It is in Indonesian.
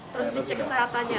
terus dicek kesehatannya